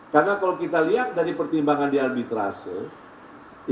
karena kalau kita lihat dari pertimbangan di arbitrasi